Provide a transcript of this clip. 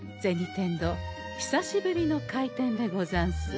天堂久しぶりの開店でござんす。